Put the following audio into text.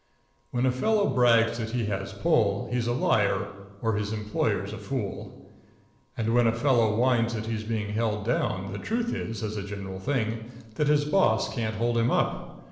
When a fellow brags that he has a pull, he's a liar or his employer's a fool. And when a fellow whines that he's being held down, the truth is, as a general thing, that his boss can't hold him up.